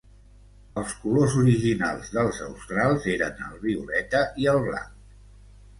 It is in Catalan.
Els colors originals dels Australs eren el violeta i el blanc.